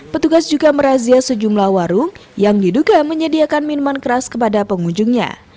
petugas juga merazia sejumlah warung yang diduga menyediakan minuman keras kepada pengunjungnya